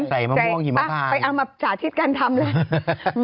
ใส่มะม่วงหิมะพายไปเอามาจ่าทิศการทำแล้ว